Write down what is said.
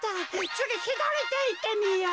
つぎひだりていってみよう。